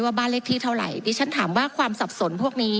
บ้านเลขที่เท่าไหร่ดิฉันถามว่าความสับสนพวกนี้